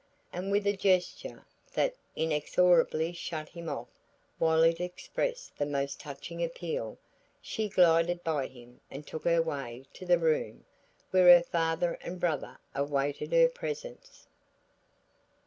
And with a gesture that inexorably shut him off while it expressed the most touching appeal, she glided by him and took her way to the room where her father and brother awaited her presence.